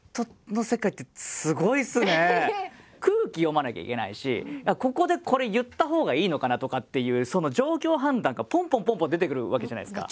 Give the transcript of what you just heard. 空気読まなきゃいけないしここでこれ言ったほうがいいのかなとかっていうその状況判断がぽんぽんぽんぽん出てくるわけじゃないですか。